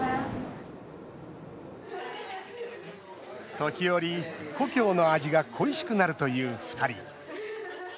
時折、故郷の味が恋しくなるという２人。